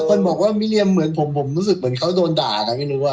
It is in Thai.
คนบอกว่ามิเรียมเหมือนผมผมรู้สึกเหมือนเขาโดนด่านะไม่รู้อ่ะ